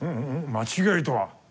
間違いとは？